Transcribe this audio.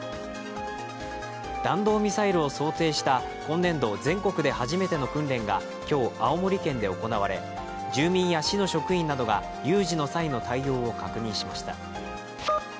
弾道ミサイルを想定した今年度全国で初めての訓練が今日、青森県で行われ、住民や市の職員などが有事の際の対応を確認しました。